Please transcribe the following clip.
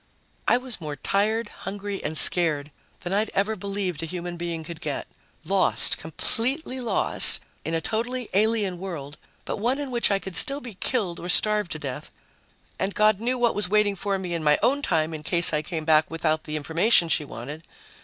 I was more tired, hungry and scared than I'd ever believed a human being could get. Lost, completely lost in a totally alien world, but one in which I could still be killed or starve to death ... and God knew what was waiting for me in my own time in case I came back without the information she wanted.